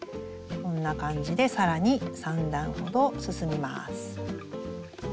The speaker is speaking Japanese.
こんな感じで更に３段ほど進みます。